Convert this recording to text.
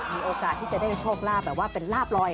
มีโอกาสที่จะได้โชคลาภแบบว่าเป็นลาบลอย